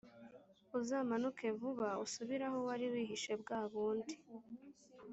uzamanuke vuba usubire aho wari wihishe bwa bundi